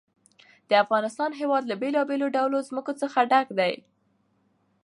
د افغانستان هېواد له بېلابېلو ډولو ځمکه څخه ډک دی.